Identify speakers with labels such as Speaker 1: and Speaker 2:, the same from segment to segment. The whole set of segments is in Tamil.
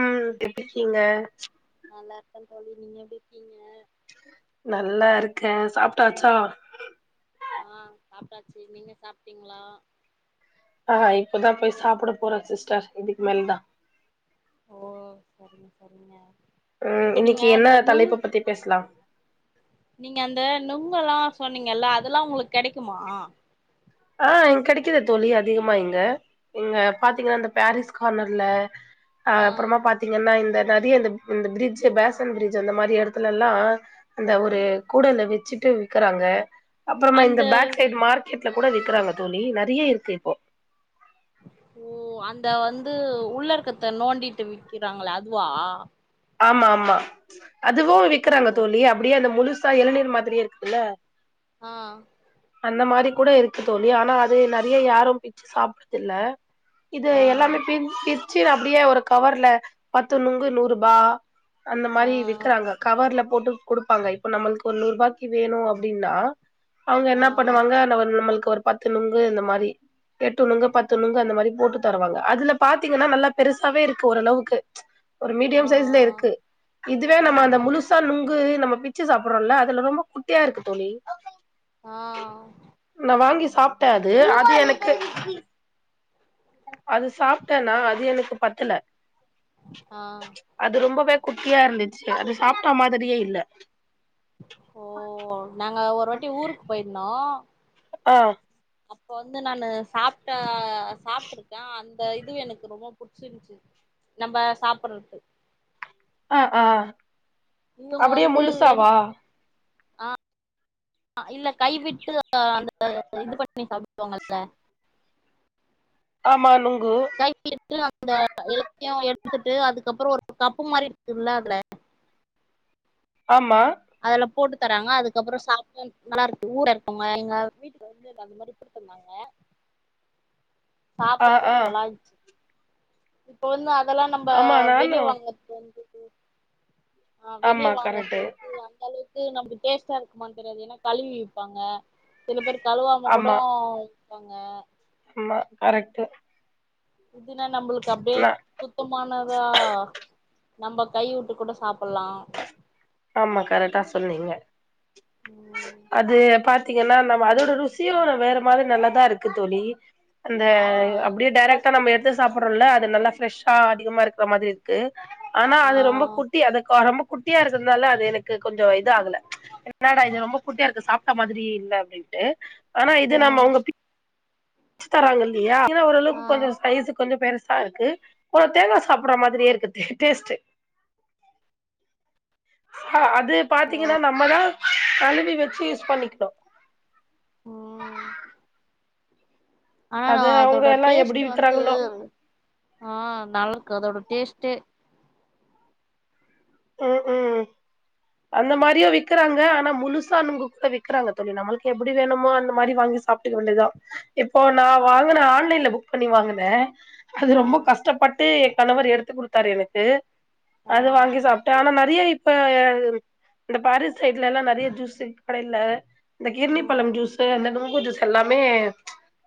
Speaker 1: ம் எப்டி இருக்கீங்க
Speaker 2: நல்லா இருக்கே தோழி நீங்க எப்டி இருக்கீங்க
Speaker 1: நல்லா இருக்கே சாப்ட்டாச்சா
Speaker 2: ஆ சாப்ட்டாச்சு நீங்க சாப்ட்டீங்களா
Speaker 1: ஆஹ இப்பதா போய் சாப்பிட போறே சிஸ்டர் இதுக்கு மேல் தா
Speaker 2: ஓ சரிங்க சரிங்க
Speaker 1: ம்
Speaker 2: இப்ப நீங்க
Speaker 1: இன்னிக்கி என்ன
Speaker 2: இந்த நுங்
Speaker 1: தலைப்ப பத்தி பேசலா
Speaker 2: நீங்க அந்த நுங்கல்லா சொன்னீங்கல்ல அதெல்லா உங்களுக்கு கெடைக்குமா
Speaker 1: ஆ கெடைக்குது தோழி அதிகமா இங்க இங்க பாத்தீங்கனா அந்த பாரிஸ் கார்னர்ல அ
Speaker 2: ஆ
Speaker 1: அப்புறமா பாத்தீங்கன்னா இந்த நெறையா இந்த இந்த பிரிட்ஜ்ஜு பேசன் பிரிட்ஜ்ஜு அந்த மாரி எடத்துலல்லா அந்த ஒரு கூடல்ல வச்சிட்டு விக்கறாங்க அப்பறமா இந்த
Speaker 2: அந்த
Speaker 1: பேக் சைட் மார்க்கெட்ல கூட விக்குறாங்க தோழி நறையா இருக்கு இப்போ
Speaker 2: ஓ அந்த வந்து உள்ள இருக்கத்தை நோண்டிட்டு விக்கிறாங்கள அதுவா
Speaker 1: ஆம்மா ஆம்மா அதுவு விக்கறாங்க
Speaker 2: ஓ
Speaker 1: தோழி அப்பிடியே அந்த முழுசா இளநீர் மாதிரியே இருக்குதுல்ல
Speaker 2: ஆ
Speaker 1: அந்த மாரி கூட இருக்கு தோழி ஆனா அது நறைய யாரும் பிச்சு சாப்டுறதில்ல இது
Speaker 2: ஆ
Speaker 1: எல்லாமே பிர் பிரிச்சு அப்டியே ஒரு கவர்ல பத்து நுங்கு நூருபா அந்த மாரி
Speaker 2: ஆ
Speaker 1: விக்கறாங்க கவர்ல போட்டு குடுப்பாங்க இப்ப நம்மளுக்கு ஒரு நூறு ரூபாய்க்கு வேணு அப்டின்னா அவங்க
Speaker 2: ஆ
Speaker 1: என்னா தா நம்மளுக்கு ஒரு பத்து நுங்கு இந்த மாரி எட்டு நுங்கு பத்து நுங்கு அந்த மாரி போட்டு தருவாங்க அதுல பாத்தீங்கன்னா நல்லா பெருசாவே இருக்கு ஓரளவுக்கு ஒரு
Speaker 2: ஆ
Speaker 1: மீடியம் சைஸ்ல இருக்கு இதுவே நம்ம அந்த
Speaker 2: ம்
Speaker 1: முழுசா நுங்கு நம்ம பிச்சு சாப்டறோல்ல அதுல ரொம்ப குட்டியா
Speaker 2: ம்
Speaker 1: இருக்கு தோழி
Speaker 2: ஆ
Speaker 1: நா வாங்கி சாப்ட்ட அது அது எனக்
Speaker 2: அ
Speaker 1: அது சாப்ட்டன்னா அது எனக்கு பத்தல
Speaker 2: ஆ
Speaker 1: அது ரொம்பவே குட்டியா இருந்துச்சு அது சாப்ட்ட மாதிரியே இல்ல
Speaker 2: ஓ நாங்க ஒரு வாட்டி ஊருக்கு போயிருந்தோ
Speaker 1: அ
Speaker 2: அப்ப வந்து நானு சாப்ட்டா சாப்ட்டுருக்க அந்த இதுவு எனக்கு ரொம்ப புடிச்சிருந்துச்சி நம்ப சாப்படுறது
Speaker 1: ஆ ஆ அப்பிடியே முழுசாவா
Speaker 2: அ இல்ல கைவிட்டு அ அந்த இது பண்ணி சாப்டுவாங்கல்ல
Speaker 1: ஆமா நுங்கு
Speaker 2: கைவிட்டு அந்த எல்லாத்தியு எடுத்துகிட்டு அதுக்கப்புறோ ஒரு கப்பு மாரி இருக்குல அதுல
Speaker 1: ஆமா
Speaker 2: அதுல போட்டு தராங்க அதுக்கப்புறோ சாப்ப நல்லா இருக்கு ஊர்ல இருக்கோங்க எங்க வீட்டு வந்து அது அந்த மாரி போடுதந்தாங்க
Speaker 1: ஆ ஆ
Speaker 2: சாப்பத்துக்கு நல்லான்ச்சு இப்ப வந்து அதெல்லா நம்ப
Speaker 1: ஆமா நானு
Speaker 2: வெளிய வாங்க வந்துட்டு ஆ வெளிய
Speaker 1: ஆமா
Speaker 2: வாங்கறது
Speaker 1: கரெக்ட்டு
Speaker 2: வந்து அந்த அளவுக் கு நமக்கு டேஸ்ட்டா இருக்குமானு தெரியாது ஏன்னா கழுவி விப்பாங்க சில பேர் கழுவாம கூடு
Speaker 1: ஆமா
Speaker 2: விப்பாங்க
Speaker 1: ஆமா கரெக்ட்டு
Speaker 2: இதுனா நம்பளுக்கு அப்டியே
Speaker 1: நா
Speaker 2: சுத்தமானதா நம்ப கை உட்டு கூட சாப்பட்லா
Speaker 1: ஆமா கரெட்டா சொன்னீங்க
Speaker 2: ம்
Speaker 1: அது பாத்தீங்கன்னா நம்ப அதோட ருசியுடோ வேற மாரி நல்லாதா இருக்கு தோழி அந்த
Speaker 2: ஆ
Speaker 1: அப்டியே
Speaker 2: இனிப்பா
Speaker 1: டேரெக்ட்டா
Speaker 2: இருக்கு
Speaker 1: நம்ப எடுத் து சாப்படுறோல்ல அது நல்லா ஃப்ரெஷ்ஷா அதிகமா இருக்கற மாரி இருக்கு ஆனா
Speaker 2: ஆ
Speaker 1: அது ரொம்ப குட்டி அது க ரொம்ப குட்டியா இருக்குந்தால அது எனக்கு கொஞ்சோ இது ஆகல என்னடா இது ரொம்ப குட்டியா இருக்கு சாப்ட்ட மாதிரியே இல்ல அப்டின்ட்டு ஆனா இது
Speaker 2: ஆ
Speaker 1: நம்ப அவுங்க பிச்சு தராங்க இல்லையா இதுல ஓரளவுக்கு
Speaker 2: ஆ
Speaker 1: கொஞ்சோ சைசு கொஞ்சோ பெருசா இருக்கு ஒரு தேங்கா சாப்பட்ற மாதிரியே இருக்கு டே டேஸ்ட்டு ஹ அது பாத்தீங்கன்னா நம்மதா கழுவி வச்சு யூஸ் பண்ணிகணு
Speaker 2: ம் ஆனா ந
Speaker 1: அது அவங்க
Speaker 2: அதோட
Speaker 1: எல்லா எப்டி
Speaker 2: டேஸ்ட்டு வந்து
Speaker 1: விக்கிறாங்களோ
Speaker 2: ஆ நல்லாருக்கு அதோட டேஸ்ட்டே
Speaker 1: ம் ம் அந்த மாரியு விக்கறாங்க ஆனா முழுசானுங்க கூட விக்கிறாங்க தோழி நம்மளுக்கு எப்டி வேணுமோ அந்த மாரி வாங்கி சாப் டுக்க வேண்டதா இப்போ நா வாங்குன ஆன்லைன்ல புக் பண்ணி வாங்கனே அது
Speaker 2: ஆ
Speaker 1: ரொம்ப கஷ்டப்பட்டு எ கணவர் எடுத்து கொடுத்தாரு எனக்கு
Speaker 2: ஆ
Speaker 1: அது வாங்கி சாப் ஆனா நறைய இப்ப இந்த பாரிஸ் சைட்லல்லா நறைய ஜூஸ் கடையில இந்த
Speaker 2: ம்
Speaker 1: கிர்ணிபழம் ஜூஸ்ஸு அந்த நுங்கு ஜூஸ் எல்லாமே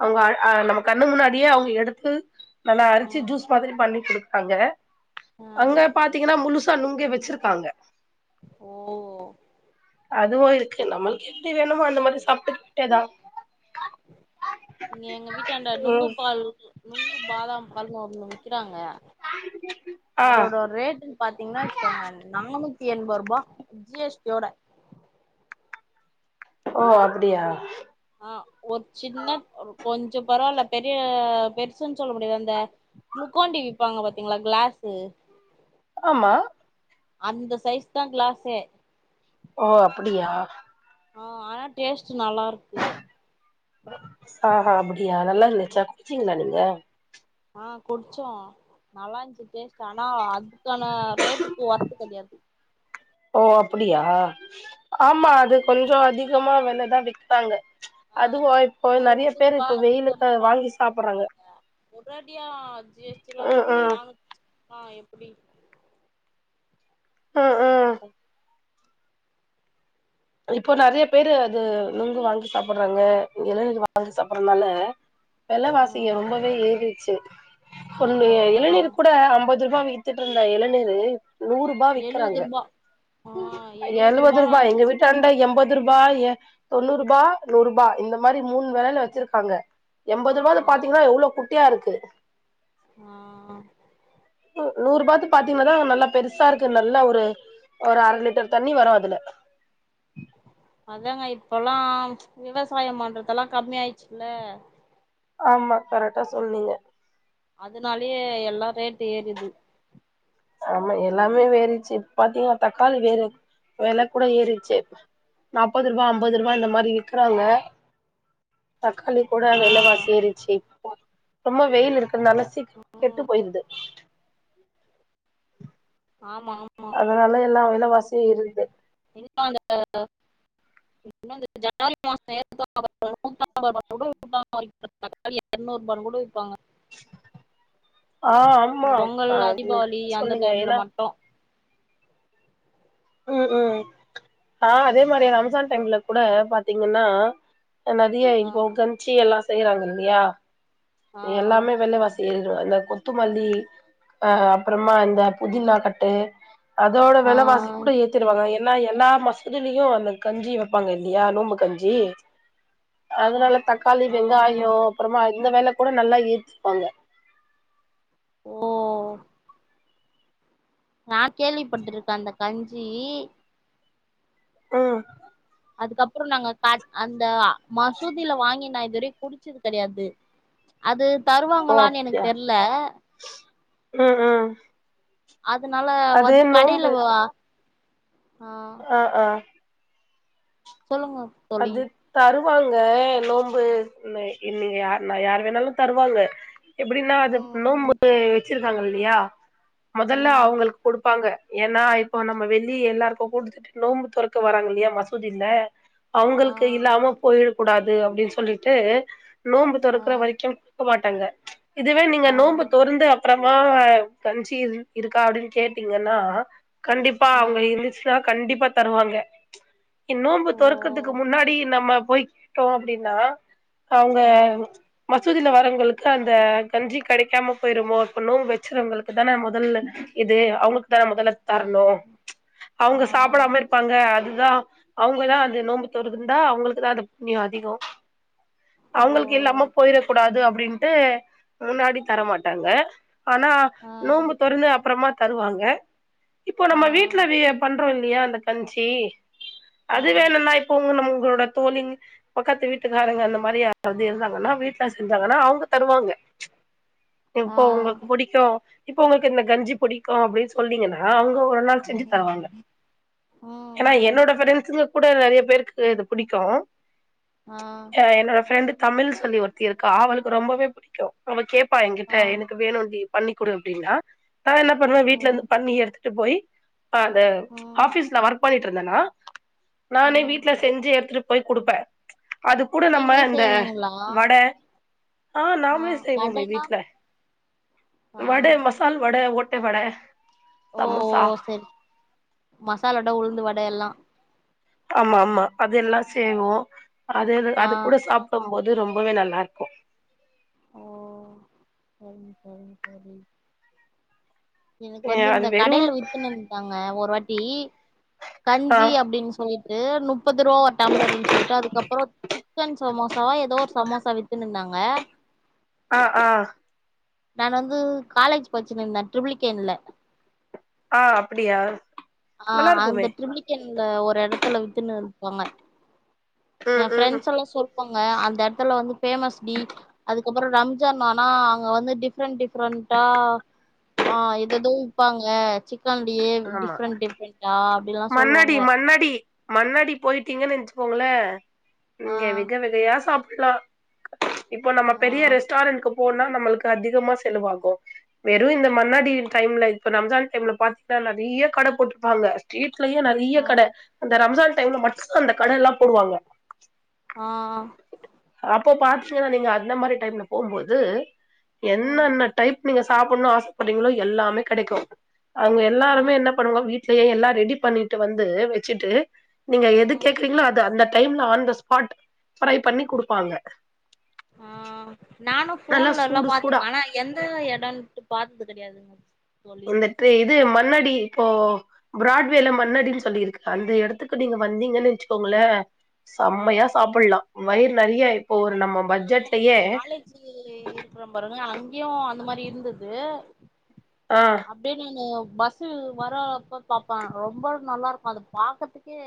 Speaker 1: அவுங்க அ நம்ம கண்ணு முன்னாடியே அவுங்க எடுத்து நல்லா அரச்சு
Speaker 2: ம்
Speaker 1: ஜூஸ் மாதிரி பண்ணி குடுப்பாங்க
Speaker 2: ஆ
Speaker 1: அங்க பாத்தீங்கன்னா முழுசா நுங்கே வச்சிருக்காங்க
Speaker 2: ஓ
Speaker 1: அதுவு இருக்கு நம்முளுக்கு எப்டி வேணுமோ அந்த மாதிரி சாப்பிட்டு எதா
Speaker 2: இங்க எங்க வீட்டாண்ட நுங்கு
Speaker 1: ம்
Speaker 2: பால்ருக்கு. நுங்கு பாதாம் பால்னு ஒன்னு விக்கிறாங்க
Speaker 1: ஆ
Speaker 2: அதோட ரேட்டுன் பாத்திங்ன்னா வெச்சுக்கோங்க நானூத்தி எண்பருபா ஜி எஸ் டி யோட.
Speaker 1: ஓ அப்புடியா?
Speaker 2: ஆ ஒர் சின்ன ஒர் கொஞ்சோ பரவால்ல பெரிய பெருசுன் சொல்ல முடியாது அந்த குளுகோன்டி விப்பாங்க பாத்தீங்ளா கிளாசு
Speaker 1: ஆமா.
Speaker 2: அந்த சைஸ்தா கிளாஸே.
Speaker 1: ஓ அப்பிடியா.
Speaker 2: ஆ ஆனா டேஸ்ட்டு நல்லார்க்கு.
Speaker 1: ஆஹா அப்பிடியா நல்லா இருந்துச்சா குடிச்சீங்களா நீங்க?
Speaker 2: ஆ குடிச்சோ நல்லாஞ்ச்சு டேஸ்ட்டு ஆனா அதுக்கான ரேட்டுக்கு ஒர்த்து கெடையாது.
Speaker 1: ஓ அப்பிடியா ஆமா அது கொஞ்சோ அதிகமா வெலதா விப்பாங்க. அதுவு இப்போ
Speaker 2: ஒரு
Speaker 1: நெறைய பேரு
Speaker 2: நூறுபா
Speaker 1: இப்ப வெயிலுக்கு
Speaker 2: நூத்தம்பது
Speaker 1: அது
Speaker 2: ரூபா
Speaker 1: வாங்கி
Speaker 2: அப்டி
Speaker 1: சாப்பறாங்க.
Speaker 2: குடுக்குறீங்க ஒரேடியா ஜி எஸ் டி எல்லா
Speaker 1: ம்
Speaker 2: போட்ட
Speaker 1: ம்
Speaker 2: நானூத்தினா எப்பிடி?
Speaker 1: ம் ம். இப்போ நெறையா பேரு அது நுங்கு வாங்கி சாப்பட்றாங்க இளநீர் வாங்கி சாப்பட்ற்னால வெலவாசி இங்க
Speaker 2: அ
Speaker 1: ரொம்பவே ஏறிட்ச்சு ஒன்னு
Speaker 2: ஆ
Speaker 1: எ
Speaker 2: ஆ
Speaker 1: எளநீர்க் கூட அம்பது ருபா வி த்துட்ருந்த எளநீரு இப் நூறு
Speaker 2: எழுவுதுருபா.
Speaker 1: எழுவதுருபா எங்க வீட் டாண்ட எம்பதுருபா எ தொண்ணூறுபா நூறுபா இந்த மாரி மூணு வெலையில வெச்சிருக்காங்க. எம்பதுருபால
Speaker 2: ஆ
Speaker 1: பாத்தீங்கனா எவ்ளோ குட்டியாருக்கு.
Speaker 2: ஆ
Speaker 1: ம் நூறுபாக்கு பாத்தீங்னாதா அங்க நல்லா பெருசா இருக்கு நல்ல ஒரு ஒரு அர லிட்டர் தண்ணி வரு அதுல.
Speaker 2: அதாங்க இப்பல்லா விவசாயம் பண்றதெல்லா கம்மி ஆயிட்ச்சுல்ல.
Speaker 1: ஆமா கரெக்டா சொல்னீங்க.
Speaker 2: அதுனாலயே எல்லா ரேட்டு ஏறிது.
Speaker 1: ஆமா எல்லாமே வேறிச்சு பாத்தீங்களா தக்காளி வேற வெல கூட ஏறிட்ச்சு. நாப்பதுருபா அம்பது ருபா இந்த மாரி இர்க்கறாங்க. தக்காளி கூட
Speaker 2: ஆ
Speaker 1: வெலவாசி ஏறிட்ச்சி ரொம்போ வெயில் இருக்குனால சீக்கரமா கெட்டு போயிருது.
Speaker 2: ஆமாம்.
Speaker 1: அதனால எல்லா வெலவாசியு ஏறிர்து.
Speaker 2: [inaudible] [inaudible] [inaudible] தக்காளி எர்நூர்பான் கூட விப்பாங்க.
Speaker 1: ஆ
Speaker 2: இந்த
Speaker 1: ஆம்மா
Speaker 2: பொங்கல்
Speaker 1: அ ன்னு
Speaker 2: தீபாவளி அந்த
Speaker 1: சொல்லுங்க
Speaker 2: டைம்ல
Speaker 1: ஏனா
Speaker 2: மட்டு
Speaker 1: ம் ம் ஆ அதே மாரி ரம்ஜான் டைம்ல கூட பாத்தீங்கன்னா அ நறிய
Speaker 2: ஆ
Speaker 1: இப்போ கன்ஞ்சி எல்லா செய்யறாங்க இல்லையா
Speaker 2: ஆ
Speaker 1: எல்லாமே வெல வாசி ஏறிறு அந்த கொத்துமல்லி அ அப்பறமா அந்த புதினாக் கட்டு. அதோட
Speaker 2: ஆ
Speaker 1: வெல வாசி ஏத்திடுவாங்க ஏன்னா எல்லா மசூதியிலியு அந்த கஞ்சி வெப்பாங்க இல்லையா நோம்பு கஞ்சி அதுனால
Speaker 2: ஆமாமா
Speaker 1: தக்காளி
Speaker 2: ஆ
Speaker 1: வெங்காயோ அப்றமா இந்த வேல கூட நல்லா ஏத்திப்பாங்க
Speaker 2: ஓ நா கேள்விப்பட்டுருக்கே அந்த கஞ்சி
Speaker 1: உ
Speaker 2: அதுக்கப்றோ நாங்க கா அந்த மசூதியில வாங்கி நா இதுவரி க்கு குடிச்சது கிடையாது அது தருவாங்களான்னு எனக்கு தெர்ல
Speaker 1: உ உ
Speaker 2: அதுனால வந்து கடைல
Speaker 1: நோம்பு
Speaker 2: வா ஆ
Speaker 1: ஆ ஆ
Speaker 2: சொல்லுங்கோ
Speaker 1: அது தருவாங்க நோன்ம்பு இங்க ய ந யார் வேணாலு தருவாங்க எப்டின்னா அது நோன்பு
Speaker 2: ம்
Speaker 1: வச்சிருக்காங்க இல்லையா முதல்ல
Speaker 2: ம்
Speaker 1: அவங்களுக்கு கொடுப்பாங்க ஏன்னா இப்போ நம்ம வெள்ளி எல்லாருக்கு கூடுத்து நோம்பு தொறக்க வராங்கல்லியா மசூதில
Speaker 2: ஆ
Speaker 1: அவுங்குளுக்கு இல்லாம போயிட கூடாது அப்டின்னு சொல்லிட்டு நோம்பு
Speaker 2: ஆ
Speaker 1: தொறக்குற வரிக்கு க்க மாட்டாங்க இதுவே நீங்க
Speaker 2: ஆ
Speaker 1: நோன்ம்பு தோர்ந்து அப்றமா கஞ்சி இருந் இருக்கா அப்டின்னு கேட்டீங்கன்னா கண்டிப்பா
Speaker 2: ஆ
Speaker 1: அவுங்க இருந்துச்சு கண்டிப்பா தருவாங்க நீங் நோன்பு
Speaker 2: ஓ
Speaker 1: தோரக்கு முன்னாடி நம்ம போய் கேட்டோ அப்படின்னா அவுங்க
Speaker 2: ஆ
Speaker 1: மசூதியில வரவங்களுக்கு அந்த கஞ்சி கேடைக்காம போயிருமோ இப்பண்ணோம்பு வச்சுறவங்களுக்கு தான மொதல்ல இது அவுங்களுக்தர மொதல்ல
Speaker 2: ஆ
Speaker 1: தரணு அவுங்க
Speaker 2: ஆ
Speaker 1: சாப்டாம இருப்பாங்க அதுதா அவுங்கதா நோம்புத்தோரந்தா அவங்களுக்கு தா. அந்த புண்ணியோ அதிகோ
Speaker 2: ஓ
Speaker 1: அவுங்களுக்கு இல்லாம போயிட கூடாது அப்டின்னு ட்டு முன்னாடி தர மாட்டாங்க ஆனா
Speaker 2: ஆ
Speaker 1: நோம்பு தொறந்து அப்றமா தருவாங்க இப்போ
Speaker 2: ஆ
Speaker 1: நம்ம வீட்டுல பண்றோம் இல்லையா அந்த கஞ்சி
Speaker 2: ஆ
Speaker 1: அது வேணுன்னா இப்போங்க நம்ம உங்களோட தோழிங் பக்கத்து வீட்டுக்காரங்க அந்த மாரி யாராவது இருந்தாங்கன்னா வீட்டுலா செஞ்சாங்கன்னா அவங்க தருவாங்க
Speaker 2: ஆ
Speaker 1: இப்போ உங்களுக்கு பிடிக்கு இப்போ உங்களுக்கு இந்த கஞ்சி பிடிக்கு அப்டின்னு சொன்னீங்கன்னா அவங்க ஒரு நாள் செஞ்சு தர
Speaker 2: ம்
Speaker 1: வாங்க ஏன்னா
Speaker 2: ம்
Speaker 1: என்னோட பிரரெண்ட்ஸுங்க கூட நெறய பேருக்கு இது பிடிக்கு
Speaker 2: ஆ
Speaker 1: என்னோட ஃப்ரெண்டுதமிழ்னு சொல்லி ஒருத்தி இருக்கா அவளுக்கு ரொம்பவே புடிக்கு அவ கேப்பா என்கிட்ட
Speaker 2: ஆ
Speaker 1: எனக்கு வேணும்ண்டி பண்ணி குடு அப்படின்னா நா என்ன பண்ணுவே வீட்ல இருந்து
Speaker 2: ம்
Speaker 1: பண்ணி எடுத்து - ட்டு போயி அந்த
Speaker 2: ம்
Speaker 1: ஆபீஸ்ல ஒர்க் பண்ணிட்டு இருந்தன்னா நானே
Speaker 2: ம்
Speaker 1: வீட்டுல செஞ்சு எடுத்துட்டு போய் குடுப்பே அது கூூட நம்ம
Speaker 2: நீங்களே
Speaker 1: இந்த
Speaker 2: செய்வீங்களா
Speaker 1: வட ஆ நாமலேசெய்வோமே வீட்டுல
Speaker 2: ஆ
Speaker 1: வட மசி மசால் வட ஓட்ட வட
Speaker 2: ஓ ஓ
Speaker 1: சமோசா
Speaker 2: சேரி மசால் வட உளுந்து வட எல்லா
Speaker 1: ஆமா ஆமா அதுெல்லா செய்வோ அது
Speaker 2: ஆ
Speaker 1: அது கூட சாப்ப டும் போது ரொம்பவே நல்லா இருக்கு
Speaker 2: ஓ சேரிங்க சேரிங்க சேரி எனக்கு
Speaker 1: ஏ
Speaker 2: வந்து
Speaker 1: அது
Speaker 2: இந்த
Speaker 1: வெறு
Speaker 2: கடையில வித்துனு வந்தாங்க ஒரு வாட்டி
Speaker 1: ஆ
Speaker 2: கஞ்சி அப்டின்னு சொல்லி -ட்டு முப்பது ரூவா ஒரு டம்ளர்ன்னு சொல்ட்டு அதுக்கப்றோ சிக்கன் சமோசா ஏதோ ஒரு சமோசா வித்துன்னு இருந்தாங்க
Speaker 1: ஆ ஆ
Speaker 2: நான் வந்து காலேஜ் பச்சினு இருந்தே ட்ரிப்ளிகேன்ல
Speaker 1: ஆ அப்படியா நல்லா இருக்குமே
Speaker 2: ன்ல ஒரு இடத்துல வித்துன்னு இருப்பாங்க எ
Speaker 1: ம் ம்
Speaker 2: ரெண்ட்ஸ் எல்லா சொல் பங்க அந்த இடத்துல வந்து ஃபேமஸ் டி அதுக்கப்புறோ ரம்ஜான் ஆனா அங்க வந்து டிஃப்ரெண்ட் டிஃப்ரெண்டா ஆ எத எதோ விப்பாங்க சிக்கன்லயே
Speaker 1: ஆமா
Speaker 2: டிஃப்ரெண்ட் டிஃப்ரெண்டா அப்டிலா சொல்லுவாங்க
Speaker 1: முன்னாடி மன்வாடி போயிட்டீங்கன்ச்சுகோங்களே
Speaker 2: ஆ
Speaker 1: நீங்க வெக வெகையா சாப்ட்கலா இப்போ நம்ம
Speaker 2: ஆ
Speaker 1: பெரிய ரெஸ்ட்டாரண்ட்க் போனா நம்மளுக்கு அதிகமா செலவாகு வெறு இந்த மன்னாடி டைம்ல இப்ப ரம்ஜான் டைம்ல பா த்தா நெறைய கட போட்ருப்பாங்க ஸ்ட்ரீட்லயே நெறைய
Speaker 2: ஆ
Speaker 1: கட அந்த ரம்ஜான் டைம்ல மட்டு அந்த கட எல்லா போடுவாங்க
Speaker 2: ஆ ஆ
Speaker 1: அப்போ பாத்தீங்கன்னா நீங்க அந்த மாரி டைம்ல போம்போது
Speaker 2: ம்
Speaker 1: என்னன்ன டைப் நீங்க சாப்பன்னு ஆசப்படுறீங்களோ எல்லாமே கிடைக்கு அங்க
Speaker 2: ஆ
Speaker 1: எல்லாருமே என்ன அப்புறோங்க வீட்லயே எல்லா ரெடி பண்ணிட்டு வந்து வச்சுட்டு நீங்க எது
Speaker 2: ம்
Speaker 1: கேக்குறீங்களோ அது அந்த டைம்ல ஆன் த ஸ்பாட் ஃப்ரை பண்ணி குடுப்பாங்க
Speaker 2: ஆ நானு
Speaker 1: நல்லா
Speaker 2: ஃபோன்லல்லா
Speaker 1: சூடு சூடா
Speaker 2: பாத்துருக்கே ஆனா எந்த இடம்ட்டு பாத்தது கெடையாதுங்
Speaker 1: இந்த ட்ரி இது மன்னாடி இப்போ பிராட்வேல மன்னடின் சொல்லிருக்கு அந்த இடத்துக்கு நீங்க வந்தீங்கன் வச்சுக்கோங்களே
Speaker 2: ஆ
Speaker 1: செம்மையா சாப்பல்லா வயிறு நெறைய இப்போ ஒரு நம்ம பட்ஜெட்லயே
Speaker 2: கி இருக்றோ பாருங்க அங்கியு அந்த மாரி இருந்துது
Speaker 1: ஆ
Speaker 2: அப்டியே நானு பஸ்சு வரப்போ பாப்ப ரொம்ப நல்லாருக்கு அத பாக்கர்துக்கே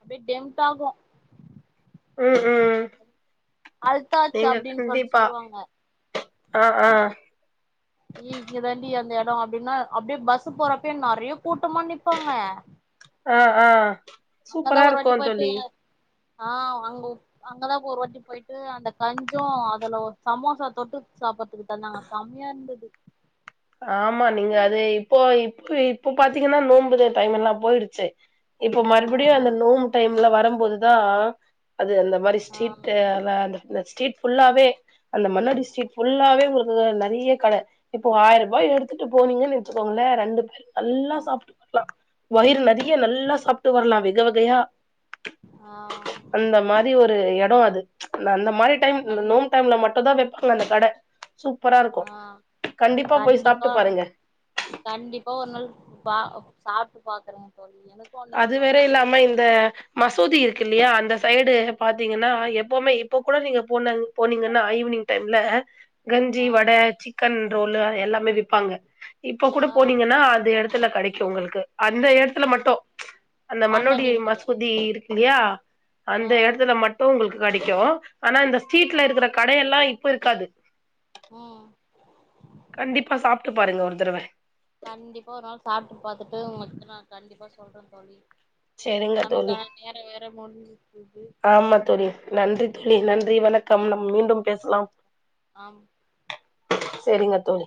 Speaker 2: அப்டியே டெம்ட்டாகு
Speaker 1: ம் ம்
Speaker 2: அல்தாஜ் அப்டின் சொல்ட் சொல்லுவாங்க
Speaker 1: அ ஆ
Speaker 2: இ இங்க தாண்டி அந்த இடோ அப்டின்னா அப்டியே பஸ் போறப்ப நெறைய கூட்டமா நிப்பாங்க
Speaker 1: ஆ ஆ
Speaker 2: அங்கதா
Speaker 1: சூப்பரா
Speaker 2: ஒரு வாட்டி
Speaker 1: இருக்கு
Speaker 2: போயிட்டு
Speaker 1: தோழி
Speaker 2: ஆ அங்க அங்கதா ஒரு வாட்டி போயிட்டு அந்த கஞ்சு அதுல சமோசா தொட்டு சாப்ப ட்டன்னா செமையா இருந்தது
Speaker 1: ஆமா நீங்க அது இப்போ இப்ப இப்போ பாத்தீங்கன்னா நோம்புற டைம் எல்லா போய்டுச்சு இப்போ
Speaker 2: ஆ
Speaker 1: மறுபடியு அந்த நோம் டைம்ல வரும்போதுதா அது அந்த மாரி
Speaker 2: ஆ
Speaker 1: ஸ்ட்ரிட்டு [unintelligible] இந்த ஸ்ட்ரீட் ஃபுல்லாவே அந்த மன்னாடி ஸ்ட்ரீட் ஃபுல்லாவே உங்களுக்கு நெறைய கட இப்போ ஆயிர ருவா எடுத்துட்டு போனீங்கன்னா வெச்சுக்கோங்களே ரெண்டு பேரும் நல்லா சாப்ட்டு வரலா வயிறு நெறையா நல்லா சாப்ட்டு வரலா வெகவகையா
Speaker 2: ஆ
Speaker 1: அந்த மா ரி ஒரு இடோ அது அந்த மாரி டைம் இந்த
Speaker 2: கண்
Speaker 1: நோன்பு டைம்ல மட்டுதா வெப்பாங்க அந்த கட சூப்பரா இருக்கு கண்டிப்பா போய்
Speaker 2: அ
Speaker 1: சாப்ட்டு பாருங்க
Speaker 2: கண்டிப்பா ஒரு நாள் பா சாப்ட்டு பாக்குறேங் தோழி எனக்
Speaker 1: அது வேற இல்லாம இந்த மசூதி இருக்கு இல்லயா அந்த சைடு பாத்தீங்கன்னா எப்போமே இப்போ கூட நீங்க போனங் போனீங்கன்னா ஈவ்னிங் டைம்ல கஞ்சி
Speaker 2: ஆ
Speaker 1: வட சிக்கன் ரோலு எல்லாமே விப்பாங்க இப்ப கூட
Speaker 2: ஆ
Speaker 1: போனீங்கன்னா அந்த எட த்துல கடைக்கு உங்ளுக்கு அந்த எடத்துல மட்டு அந்த மண்ணோடி
Speaker 2: மண்ணடியிலயே
Speaker 1: மசூதி இருக்கில்லயா
Speaker 2: ஆ
Speaker 1: அந்த எடத்துல மட்டு உங்ளுக்கு கெடைக்கு ஆனா இந்த
Speaker 2: ஆ
Speaker 1: ஸ்ட்ரீட்ல இருக்குற கடையெல்லா இப்ப இருக்காது
Speaker 2: ஆ
Speaker 1: கண்டிப்பா சாப்ட்டு பாருங்க ஒரு தடவ
Speaker 2: கண்டிப்பா ஒர் நாள் சாப்ட்டு பாத்துட்டு உங்ககிட்ட நா கண்டிப்பா சொல்றே தோழி
Speaker 1: செரிங்க தோழி
Speaker 2: நமக்கான நேரோ வேற முடிஞ்சுக்குது
Speaker 1: ஆமா தோழி நன்றி தோழி நன்றி வணக்கம் நம் மீண்டும் பேசலாம்
Speaker 2: ஆம்
Speaker 1: செரிங்க தோழி